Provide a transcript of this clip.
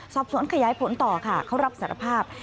สอบสวนขยายผลต่อค่ะเขารับสารภาพ